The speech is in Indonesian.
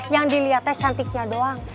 yang diliatnya cantiknya doang